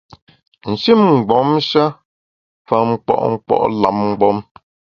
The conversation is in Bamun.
Nshin mgbom-sha fa nkpo’ nkpo’ lam mgbom.